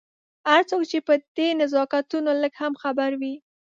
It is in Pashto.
هر څوک چې په دې نزاکتونو لږ هم خبر وي.